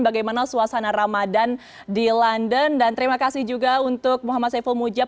bagaimana suasana ramadan di london dan terima kasih juga untuk muhammad saiful mujab